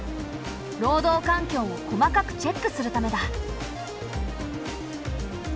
労働環境を細かくチェックするためだ。